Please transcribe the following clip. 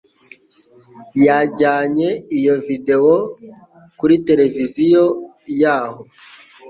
Yajyanye iyo videwo kuri televiziyo yaho.